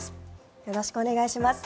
よろしくお願いします。